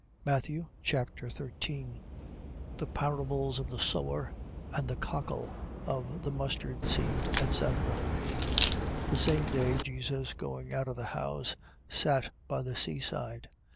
Matthew Chapter 13 The parables of the sower and the cockle: of the mustardseed, etc. 13:1. The same day Jesus going out of the house, sat by the sea side.